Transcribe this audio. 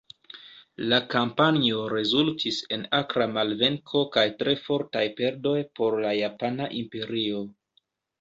La kampanjo rezultis en akra malvenko kaj tre fortaj perdoj por la Japana Imperio.